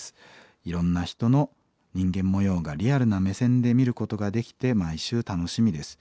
いろんな人の人間模様がリアルな目線で見ることができて毎週楽しみです。